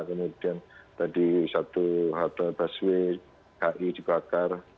kemudian tadi satu halte basuh hi dibakar